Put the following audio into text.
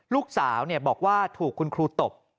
ลูกสาวบอกว่าถูกคุณครูตบ